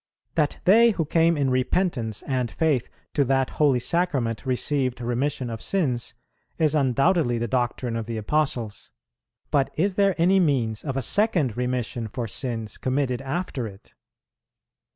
That they who came in repentance and faith to that Holy Sacrament received remission of sins, is undoubtedly the doctrine of the Apostles; but is there any means of a second remission for sins committed after it?